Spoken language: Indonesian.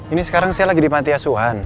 ini sekarang saya lagi di panti asuhan